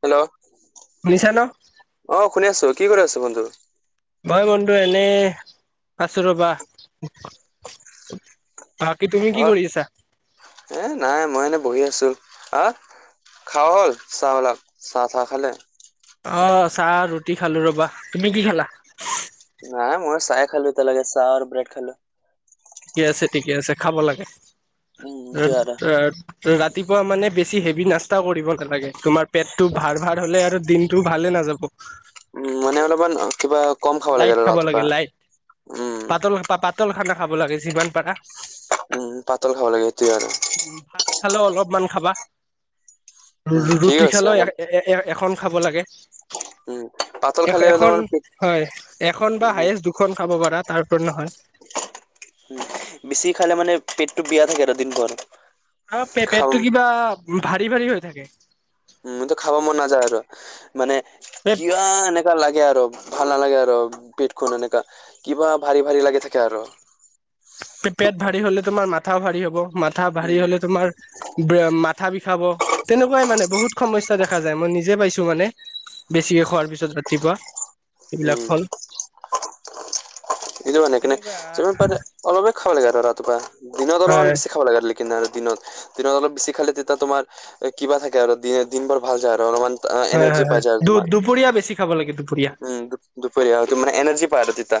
Hello. শুনিছা ন? অ', শুনি আছো, কি কৰি আছো বন্ধু? হয় বন্ধু এনে, আছো ৰবা। বাকী তুমি অ কি কৰি আছা? এ নাই মই এনেই বহি আছোঁ। আ খাৱা হ'ল চাহবিলাক? চাহ-চাহ খালে? অ', চাহ ৰুটি খালো ৰবা। তুমি কি খালা? নাই মই চাহে খালো এতিয়ালৈকে, চাহ আৰু ব্ৰেড খালো। ঠিকে আছে-ঠিকে আছে খাব লাগে, উম সেইটোৱে আৰু ত ৰাতিপুৱা মানে বেছি হেভি নাছ তা কৰিব নালাগে, তোমাৰ পেটটো ভাৰ ভাৰ হলে আৰু দিনটো ভালে নাযাব। উম, মানে অলপমান কিবা কম খাব লাগে আৰু ৰাতিপুৱা। উম পাতল-পাতল খানা খাব লাগে যিমান পাৰা। উম, পাতল খাব লাগে সেইটোয়ে আৰু। উম, ভাত খালেও অলপমান খাবা। উম ঠিক ৰু-ৰুটি আছে খালেও অলপ এ-এ-এখন খাব লাগে। উম পাতল খালে এখ-এখন অলপমান পেট হয়, এখন বা হায়েষ্ট দুখন খাব পাৰা তাৰ ওপৰত নহয়। উম, বেছি খালে মানে পেটটো বিয়া থাকে আৰু দিনভৰ। অ', খাম পে-পেটটো কিবা ভাৰী ভাৰী হৈ থাকে। উম, মোৰতো খাব মন নাযায় আৰু মানে কিবা পে এনে লাগে আৰু ভাল নালাগে আৰু পেটখন এনেকা কিবা ভাৰী-ভাৰী লাগে থাকে আৰু। পেট ভাৰি হলে তোমাৰ মাথাও ভাৰি হ'ব, মাথা ভাৰি হলে তোমাৰ বে মাথা বিষাব তেনেকুৱাই মানে বহুত সমস্যা দেখা যায়, মই নিজে পাইছোঁ মানে। বেছিকে খোৱাৰ পিছত ৰাতিপুৱা উম এইবিলাক ফল এইটো মানে কিনে তেনেকুৱা যিমান পাৰা অলপে খাব লাগে আৰু ৰাতিপুৱা দিনত অলপমান হয় বি খাব লাগে লিকিনাৰ দিনত। দিনত অলপ বেছি খালে তেতিয়া তোমাৰ কিবা থাকে আৰু দি - দিন বোৰ ভাল যায় আৰু অলপমান অ', হয় এনাৰ্জি হয় পাই হয় যাবা দু তোমাৰ। দুপৰীয়া বেছি খাব লাগে দুপৰীয়া উম, দু দুপৰীয়া তোমাৰ এনাৰ্জি পাই আৰু তেতিয়া,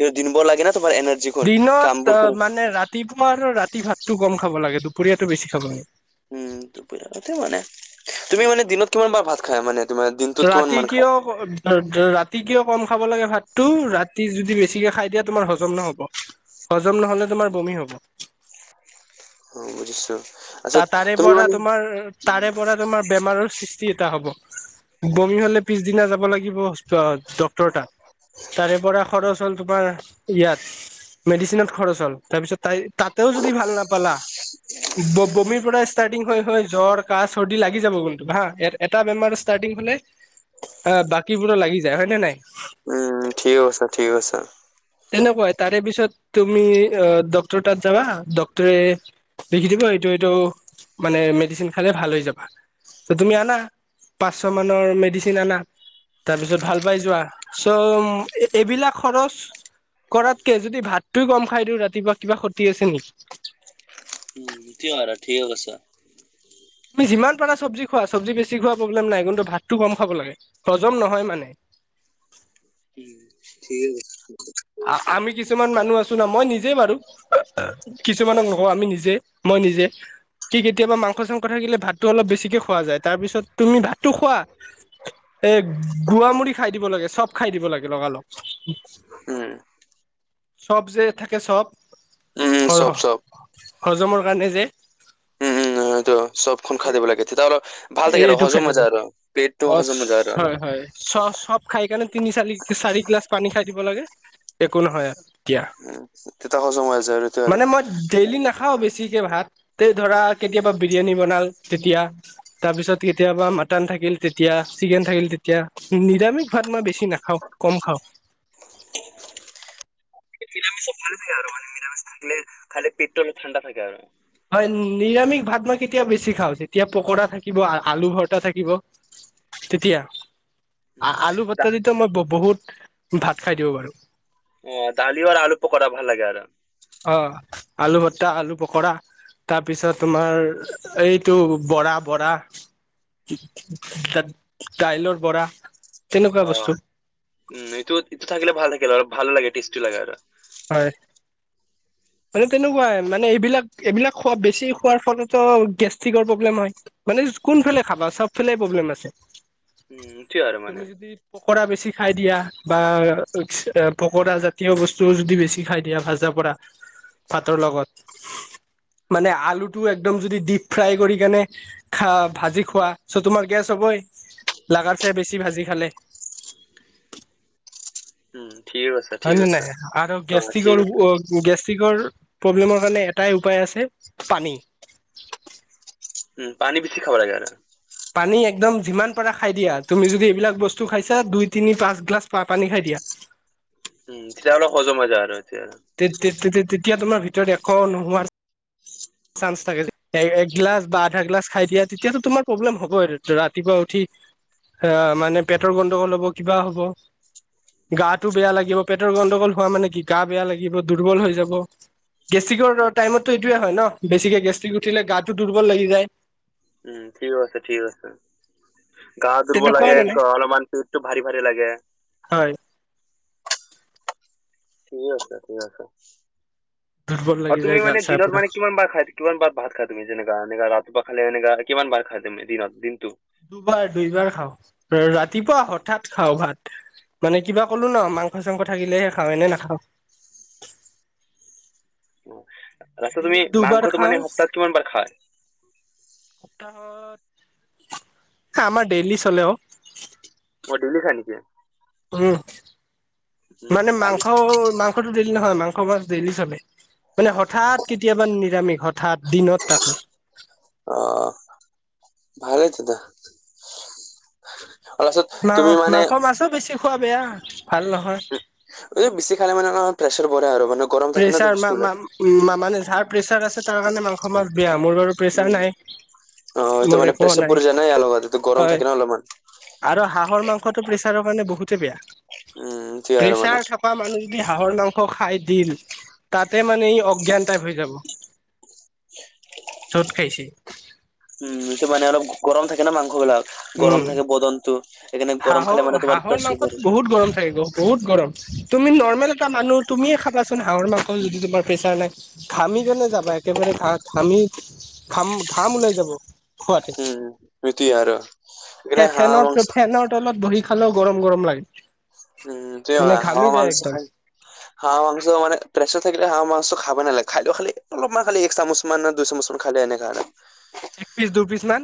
এ দিনবোৰ লাগে ন তোমাৰ এনাৰ দিনত অ, মানে ৰাতিপুৱা আৰু ৰাতি ভাতটো কম খাব লাগে, দুপৰীয়াটো বেছি খাব লাগে। উম, দুপৰীয়া তাতে মানে। তুমি মানে দিনত কিমান বাৰ ভাত খাই মানে? তোমাৰ দিনটোত কিমান ৰাতি মান কিয় খায়? ৰাতি কিয় কম খাব লাগে ভাতটো ৰাতি যদি বেছিকে খাই দিয়া তোমাৰ হজম নহব। হজম নহলে তোমাৰ বমি হ'ব। উম, বুজিছোঁ। ত তাৰে পৰা তোমাৰ তাৰে পৰা তোমাৰ বেমাৰৰ সৃষ্টি [unintelligible] হব, বমি হলে পিছদিনা যাব লাগিব। অ', ডক্টৰ তাত তাৰে পৰা খৰচ হ'ল তোমাৰ ইয়াত মেডিচিনত খৰচ হ'ল তাৰপিছত তাই তাতেও যদি ভাল নাপালা ব - বমি পৰা ষ্টাৰ্তিং হ হয়, হয় জ্বৰ, কাহ, চৰ্দি লাগি যাব কিন্তু হা। এটা বেমাৰ ষ্টাৰ্টিং হলে অ, বাকীবোৰো লাগি যায় হয় নে নাই? উম, ঠিক কৈছা-ঠিক কৈছা। তেনেকুৱাই তাৰে পিছত তুমি অ, ডক্টৰ তাত যাবা ডক্টৰে লিখি দিব এইটো-এইটো মানে মেডিচিন খালে ভাল হৈ যাবা। ত তুমি আনা, পাঁচশ মানৰ মেডিচিন আনা। তাৰ পিছত ভাল পাই যোৱা, চ' এ এইবিলাক খৰচ কৰাতকে যদি ভাতটো কম খাই দিওঁ ৰাতিপুৱা কিবা খতি আছে নিকি? ঠিকে কলা ঠিকে কৈছা। তুমি যিমান পাৰা চবজি খোৱা, চবজি বেছি খোৱা প্ৰব্লেম নাই কিন্তু ভাতটো কম খাব লাগে, হজম নহয় মানে। উম। ঠিকে কৈছা। আমি কি কিছুমান মানুহ আছোঁ ন, মই নিজে মাৰু কিছুমানক নকওঁ আমি নিজে-মই নিজে। কি কেতিয়াবা মাংস চাংস থাকিলে ভাতটো অলপ বেছিকে খোৱা যায়। তাৰ পিছত তুমি ভাতটো খোৱা এ গোৱামুৰি খাই দিব লাগে। চপ খাই দিব লাগে লগালগ। উম। চপ যে থাকে চপ, উম উম চব চব হজমৰ কাৰণে যে? উম, এইতো চপখন এ খাই দিব লাগে। তেতিয়া অলপ ভাল থাকে আৰু এইটো খাই হজম দিব হোজাই আৰু। পেত টো অ হজম মজা আৰু। হয় হয় চ চপ খাই কিনে তিনি চালি চাৰি গিলাচ পানী খাই দিব লাগে, একো নহয় আৰু। এতিয়া উম তেতিয়া সজম হৈ জাই আৰু, হেটোৱেও মানে আৰু। মই ডেইলি নাখাও বেছিকে ভাত তে ধৰা কেতিয়াবা বিৰিয়ানী বনাল তেতিয়া তাৰ পিছত কেতিয়াবা মাটন থাকিল তেতিয়া চিকেন থাকিল তেতিয়া নিৰামিষ ভাত মই বেছি নাখাও কম খাও। [inaudible] নিৰামিষ ভালে থাকে আৰু মানে নিৰামিষ থাকিলে পেটটো ঠাণ্ডা থাকে আৰু। হয় নিৰামিষ ভাত মই কেতিয়া বেছি খাওঁ যেতিয়া পকোৰা থাকিব আলু ভৰটা থাকিব। তেতিয়া উম, আলু দা পটা দিতো মই বহুত ভাত খাই দিব পাৰো। অ দালিও আৰু আলু পকৰা ভাল লাগে আৰ। অ আলু ভতা, আলু পকৰা। তাৰপিছত তোমাৰ এইটো বৰা বৰা তাত দাইলৰ পৰা অ উম এইটো ইটো থাকিলে ভাল থাকিল আৰু ভাল লাগে টেষ্টি লাগে আৰ। হয়। মানে তেনেকুৱাই মানে এইবিলাক এইবিলাক খোৱা বেছি খোৱাৰ ফলতো গেষ্ট্ৰিকৰ প্ৰব্লেম হয়। মানে কোনফালে খাবা চব ফালে প্ৰব্লেম আছে। উম সেইটোৱে আৰু মানে তুমি যদি পকৰা বেছি খাই দিয়া বা পকৰা জাতীয় বস্ত- চজ যদি বেছি খাই দিয়া ভাজা পৰা ভাতৰ লগত। মানে আলুটো একদম যদি ডিপ ফ্ৰাই কৰি কেনে খা ভাজি খোৱা চ তোমাৰ গেছ হ'বই। লাগাছে বেছি ভাজি খালে। উম ঠিকে কৈছা হয় ঠিকে নে কৈছা। নাই আৰু গেষ্ট্ৰিকৰ গেষ্ট্ৰিকৰ প্ৰব্লেমৰ কাৰণে এটাই উপায় আছে পানী। উম পানী বেছি খাব লাগে আৰু। পানী একদম যিমান পাৰা খাই দিয়া তুমি যদি এইবিলাক বস্তু খাইছা দুই তিনি পাঁচ গ্লাছ পানী খাই দিয়া। উম তেতিয়া অলপ সজম হৈ যায় আৰু এতিয়া। তে তে তেতিয়া তোমাৰ ভিতৰত এশ নোহোৱাৰ চাঞ্চ থাকে এগিলাছ বা আধা গিলাছ খাই দিয়া তেতিয়াতো তোমাৰ প্ৰব্লেম হ'ব ৰাতিপুৱা উঠি এ মানে পেটৰ গণ্ডগোল হ'ব কিবা হ'ব। গাটো বেয়া লাগিব পেটৰ গণ্ডগোল হোৱা মানে কি গা বেয়া লাগিব দুৰ্বল হৈ যাব। গেষ্ট্ৰিকৰ টাইমতটো এইটোয়ে হয় ন বেছিকে গেষ্ট্ৰিক উঠিলে গাটো দুৰ্বল লাগি যায়। উম ঠিক কৈছা, ঠিক কৈছা। গা দুৰ্বল তেনেকুৱাই লাগে মানে অলপমান পিঠটো ভাৰি ভাৰি লাগে। হয়। ঠিকে কৈছা ঠিকে কৈছা। দুৰ্বল লাগি আৰু তুমি যায় গা মানে চা দিনত পুৰা মানে কিমান বাৰ খাই কিমান বাৰ ভাত খাই তুমি যেনেকা এনেকা ৰাতিপুৱা খালে এনেকা কিমান বাৰ খাই তুমি দিনত দিনতটো? দুবাৰ দুইবাৰ খাওঁ ৰাতিপুৱা হঠাৎ খাওঁ ভাত মানে কিবা কলো ন মাংস চাংস থাকিলেহে খাওঁ এনেই নাখাওঁ। ৰাস্তা, তুমি দিনত দুবাৰ মাংসটো খাওঁ মানে সপ্তাহত কিমান বাৰ খায়? সপ্তাহত আমাৰ ডেইলি চলে অ। অ ডেইলি খাই নেকি? উম উম মানে ভালে মাংস মাংসটো ডেইলি নহয় মাংস মাছ ডেইলি চলে। মানে হঠাৎ কেতিয়াবা নিৰামিষ হঠাৎ দিনত তাকো। অ ভালেই তেতিয়া। তাৰপাছত মা তুমি মানে মাংস মাছো বেছি খোৱা বেয়া ভাল নহয়। বেছি খালে মানে অলপমান প্ৰেছাৰ বাঢ়ে আৰু মানোক প্ৰেছাৰ মা মা উ মানে ঝাক প্ৰেছাৰ আছে তাৰ কাৰণে মাংস মাছ বেয়া মোৰ বাৰু প্ৰেছাৰ উম নাই। অ এইটো মোৰ মানে একো প্ৰেচাৰ নাই বাৰি যায় না ইয়াৰ লগত এইটো গৰম হয় থাকে ন অলপমান। আৰু হাঁহৰ মাংসটো প্ৰেছাৰৰ কাৰানে বহুতে বেয়া উম সেইটোৱে আৰু মানে। প্ৰেছাৰ থ, কা মানুহ যদি হাঁহৰ মাংস খাই দিল, তাতে মানে ই অজ্ঞান টাইপ হৈ যাব য'ত খাইছে। উম মানে অলপ গৰম থাকে ন মাংস বিলাক উম গৰম থাকে বদনটো। সেইকাৰণে গৰম খালে হাঁহৰ মানে তোমাৰ হাঁহৰ প্ৰেছাৰ পৰে। মাংসতো বহুত গৰম থাকে গ বহুত গৰম। তুমি নৰ্মেল এটা মানুহ তুমিয়ে খাবাচোন হাঁহৰ মাংস যদি তোমাৰ প্ৰেচাৰ নাই। ঘামি কেনে যাবা একেবাৰে ঘা ঘামি। ঘাম ঘাম ওলাই যাব খুৱাতে, স্মৃতি আৰু সেইকাৰণে হাঁহ ফেনৰ মংস, ফেনৰ তলত বহি খালেও গৰম গৰম লাগে। উম তেওঁ মানে হাহ ঘামি যায় মাংস খায়। [inaudible] হাঁহ মাংস মানে প্ৰেছৰ থাকিলে হাঁহ মাং খাব নালাগে খাইেও খালি অলপমান খালি এক চামুচ, মান ন দুচামুচ মান খালি এনেকা আৰু এক পিচ দুই পিচ মান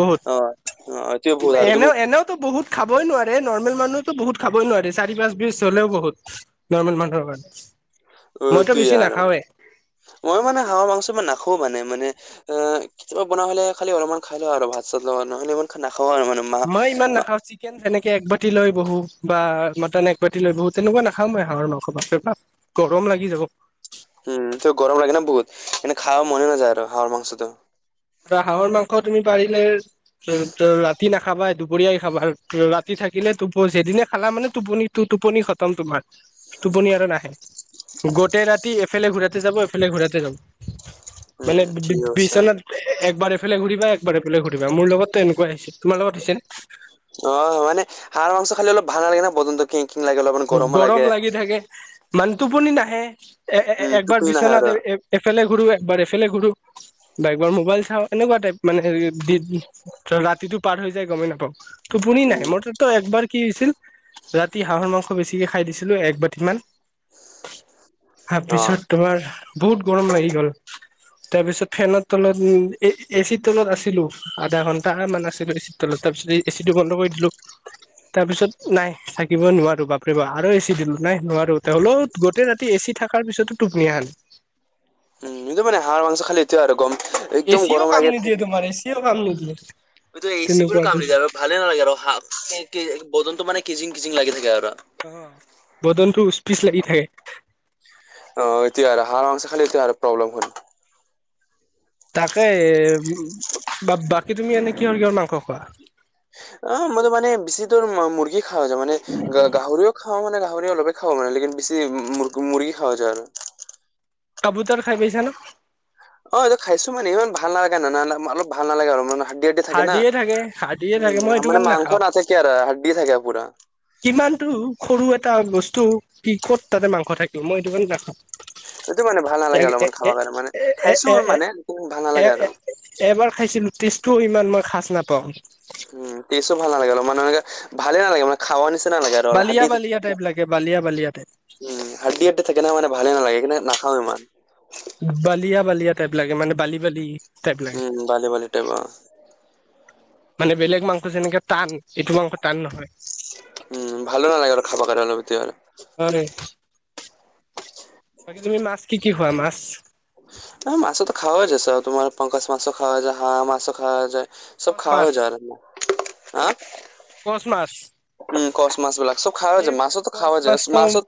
বহুত অ। অ এইটোৱে ভুল আৰু তুমি এনেও এনেওতো বহুত। খাবই নোৱাৰে নৰ্মেল মানুহতো বহুত খাবই নোৱাৰে চাৰি পাঁচ বিছ হলেও বহুত, নৰ্মেল মানুহৰ অ কাৰণে মইতো এইটোৱে বেছি আৰু নাখাওৱে। মই মানে হাঁহৰ মাংসবোৰ নাখাও মানে মানে, অ কেতিয়াবা বনোৱা হ'লে খালি অলপমান খাই লওঁ আৰু ভাত চাত লগা নহলে ইমান খা নাখাওঁ আৰু মানে, মা মই ইমান মা নাখাও চিত চিকেন যেনেকে একবাতি লৈ বহো বা মাটন একবতি লৈ বহো তেনেকুৱা নাখাওঁ মই হাঁহৰ মাংস বাপ ৰে বাপ, গৰম লাগি যাব। উম ত গৰম লাগো বহুত এনে খাব মনে নাযায় আৰু হাঁহৰ মাংসটো। আৰু হাঁহৰ মাংস তুমি পাৰিলে ৰাতি নাখাবা দুপৰীয়াই খাবা আৰু ৰাতি থাকিলে টোপ যিদিনে খালা মানে টোপনি টোপনি খতম তোমাৰ। টোপনি আৰু নাহে গোটেই ৰাতি এফালে ঘূৰাতে যাব এফালে ঘূৰাতে যাব। মানে উম ঠিক আছে বিচনাত একবাৰ এফালে ঘূৰিবা একবাৰ এফালে ঘুৰিবা মোৰ লগতো এনেকুৱা আছিল। অ মানে হাঁহৰ মাংস খালি অলপ ভাল লাগে ন বদন্ত খিং খিংলাগে অলপমান গৰমো লাগে। তাকে, ইমান টোপনি নাহে এ উম একবাৰ টোপনি নাহে আৰু বিচনাত এফালে ঘূৰো একবাৰ এফালে ঘূৰো। বা একবাৰ মোবাইল চাওঁ এনেকুৱা টাইপ মানে দি ৰাতিটো পাৰ হৈ যায় গমেই নাপাওঁ। টোপনি নাই উম মোৰ টোত একবাৰ কি হৈছিল ৰাতি হাঁহৰ মাংস। বেছিকে খাই দিছিলো এক বাতি মান অ তাৰপিছত। তোমাৰ বহুত গৰম লাগি গ'ল। তাৰ পিছত ফেনৰ তলত এ এ চিৰ তলত আছিলো। আধা ঘন্টা মান আছিলো এচিৰ তলত তাৰপিছত এচি টো বন্ধ কৰি দিলো। তাৰপিছত নাই থাকিব নোৱাৰো বা, বাপ যি বা আৰু এচি দিলো নাই নোৱাৰো হলো গোটেই ৰাতি এচি থকাৰ পিছতো টোপনি নাহে, উম নিজৰ মানে হাঁহৰ মাংস খালী, কম একদম এচিও গৰম কাম লাগে। নিদিয়ে তোমাৰ এচিও কাম নিদিয়ে তেনেকুৱা এচিবোৰো কাম নিদিয়ে বস্তু আৰু ভালে নালাগে আৰু হ বদনটো মানে কিজিং কিজিং লাগি থাকে আৰু অ বদনটো উচ পিচ লাগি থাকে। অ এতিয়া হাঁহৰ মাংস খালে এইটোয়ে প্ৰব্লেম হয়। তাকে বা বাকী তুমি এনে কিহৰ কিহৰ মাংস খোৱা? অ মইতো মানে বেছি দৰ মুৰ্গী খাও মানে গাহৰিও খাওঁ, খাওঁ মানে গাহৰি অলপ খাও মানে লেকিন বেছি ম মুৰ্গী খাও যায় আৰু কাবুতৰ খাই পাইছা ন। অ এইটো খাইছো মানে ইমান ভাল নালাগে নানা অলপ ভাল নালাগে আৰু মানে হাড়দি, থাকে না হাৰ্ডিয়ে থাকে হাৰ্ডিয়ে উ থাকে মই সেইটো মানে কাৰণে মাংস নাখাওঁ নাথাকে আৰু হাড় দি থাকে পুৰা। কিমানটো সৰু এটা বস্তু কি ক'ত তাতে মাংস থাকিব মই এইটো কাৰণে নাখাও। সেইটো মানে ভাল নালাগে অলপমান খাব কাৰণে মানে এ এ খাইছো এ মানে ভাল এ নালাগে এ আৰু। এবাৰ খাইছিলো টেষ্টটোও ইমান মই সাচ নাপাওঁ। উম তেজো ভালাগে অ মানে এনেকে ভালে নালাগে মানে। খাৱ নিচিনা লাগে আৰু বালিয়া হাদ্দি বালিয়া টাইপ লাগে বালিয়া বালিয়া টাইপ উম হাড়দি থাকে ন মানে ভালে নালাগে কিন্তু নাখাও ইমান। বালিয়া বালিয়া টাইপ লাগে মানে বালি বালি। টাইপ লাগে। উম বালি বালি টাইপৰ অহ মানে বেলেগ মাংস যেনেকে টান এইটো মাংস টান নহয়। উম ভালো নালাগে আৰু খাব কাৰনে অলপ এতিয়া। হয়, বাকী তুমি মাছ কি কি খোৱা মাছ? ন মাছ তো খাৱা যায় তোমাৰ পংকচ মাছ খাৱা যায়, হাঁহ মাছ খাৱা যায়। চব কচ খাৱা মাছ যায়। আ কচ মাছ। উম কচ মাছ বিলাক চব খাও এই যায় মাছতো কচ খোৱা যায় মাছত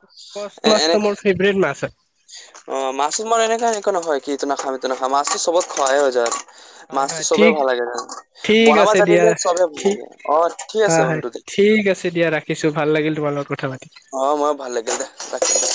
এ এনে ব্ৰেড মাছ হয়। অ মাছটো মই এনেকা এনেকুৱা নহয় কিটো নাখামটো নাখাম মাছটো চবত খোৱাই হৈ যায়। হয় মাছটো হয়, চবেই ঠিক ভাল লাগে। ঠিক বনাব আছে দিয়া জানিলে চবে ভাল ঠিক লাগে। অ ঠিক আছে হয় হয় বন্ধু দে। ঠিক আছে দিয়া ৰাখিছোঁ ভাল লাগিল তোমাৰ লগত কথা পাতি। অ মই ভাল লাগিল দে তাকে দে।